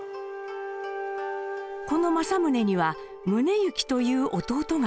この政宗には宗行という弟がいました。